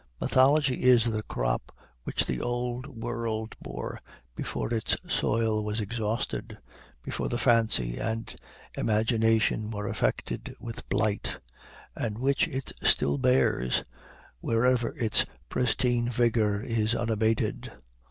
Mythology is the crop which the Old World bore before its soil was exhausted, before the fancy and imagination were affected with blight; and which it still bears, wherever its pristine vigor is unabated.